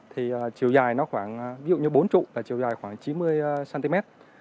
thì chiều dài nó khoảng ví dụ như bốn trụ và chiều dài khoảng chín mươi cm